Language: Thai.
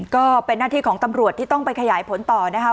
ก็เป็นหน้าที่ของตำรวจที่ต้องไปขยายผลต่อนะคะ